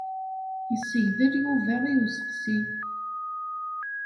Yessegdel Yuba i useqsi.